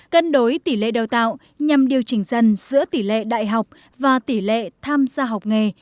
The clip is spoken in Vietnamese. cân đối tỉ lệ đào tạo nhằm điều chỉnh dần giữa tỉ lệ đại học và tỉ lệ tham gia học nghề